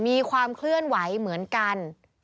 มีความเคลื่อนไหวเหมือนกัน